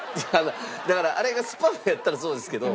だからあれがスパムだったらそうですけど。